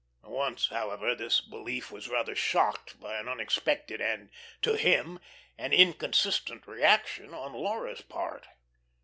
Once, however, this belief was rather shocked by an unexpected and (to him) an inconsistent reaction on Laura's part.